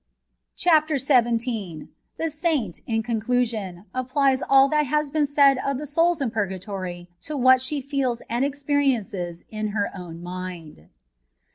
CHAPTER XVII. THE SAINT, IN CONCLUSION, APPLIES ALL THAT HAS BEBN SAID OF THE SOULS IN PURGATORY TO WHAT SHE FEELS AND EXPE RIENCES IN HER OWN MIND.